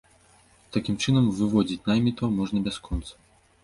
Такім чынам, выводзіць наймітаў можна бясконца.